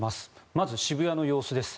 まず、渋谷の様子です。